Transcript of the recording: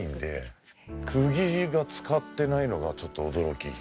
釘が使ってないのがちょっと驚き。